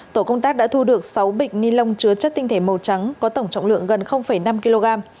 tổ công tác đã thu được sáu bịch ni lông chứa chất tinh thể màu trắng có tổng trọng lượng gần năm kg